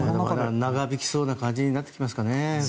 長引きそうな感じになってきますかね。